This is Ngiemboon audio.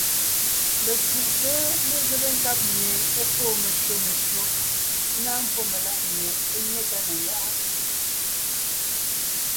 Lecǔʼte mezébé nkáb mie é fóo meshÿó meshÿó, ńnáa mbwó meláʼ mie é nyé tá ne ńgáʼa.